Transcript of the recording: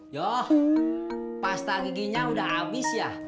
yoh pasta giginya udah habis ya